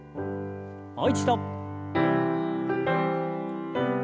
もう一度。